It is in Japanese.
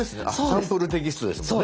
サンプルテキストですもんね。